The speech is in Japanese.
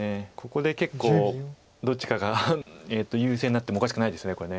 ここで結構どっちかが優勢になってもおかしくないですこれ。